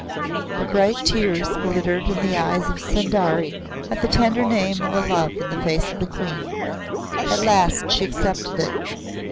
The bright tears glittered in the eyes of Sundari at the tender name and the love in the face of the Queen. At last she accepted it.